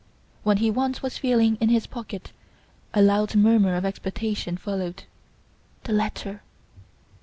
When he once was feeling in his pocket a loud murmur of expectation followed. The letter!